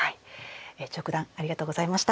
張九段ありがとうございました。